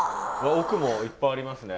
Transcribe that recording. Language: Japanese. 奥もいっぱいありますね。